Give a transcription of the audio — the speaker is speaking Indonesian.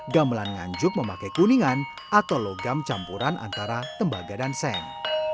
gamelan nganjuk memakai kuningan atau logam campuran antara tembaga dan seng